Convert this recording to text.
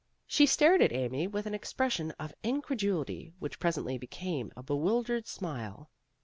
She stared at Amy with an expression of incredulity which presently became a be wildered smile.